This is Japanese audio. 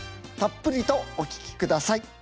たっぷりとお聴きください。